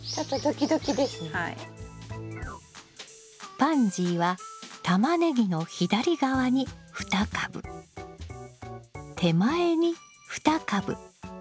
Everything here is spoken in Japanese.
パンジーはタマネギの左側に２株手前に２株。